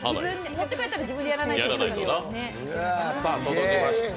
持って帰ったら自分でやらないといけなかった。